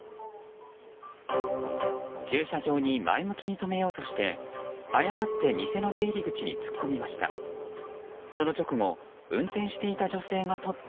駐車場に前向きに止めようとして誤って店の出入り口に突っ込みました。